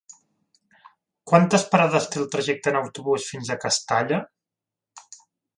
Quantes parades té el trajecte en autobús fins a Castalla?